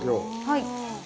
はい。